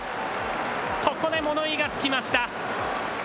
ここで物言いがつきました。